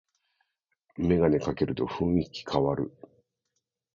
メガネかけると雰囲気かわる